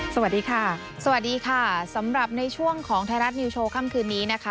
สวัสดีค่ะสวัสดีค่ะสำหรับในช่วงของไทยรัฐนิวโชว์ค่ำคืนนี้นะคะ